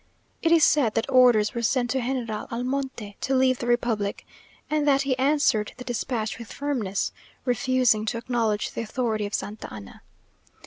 It is said that orders were sent to General Almonte to leave the republic, and that he answered the despatch with firmness, refusing to acknowledge the authority of Santa Anna.